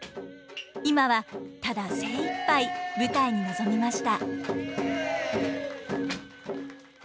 今はただ精いっぱい舞台に臨みました。